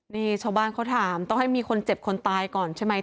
นี่ชาวบ้านเขาถามต้องให้มีคนเจ็บคนตายก่อนใช่ไหม